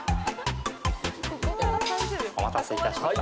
お待たせいたしました。